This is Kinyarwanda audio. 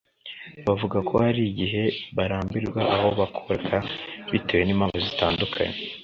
bavuga ko hari igihe barambirwa aho bakoraga bitewe n’impamvu zitandukanye